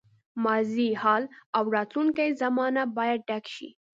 ماضي، حال او راتلونکې زمانه باید ډک شي.